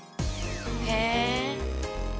へえ。